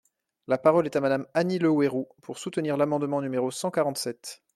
La parole est à Madame Annie Le Houerou pour soutenir l’amendement numéro cent quarante-sept.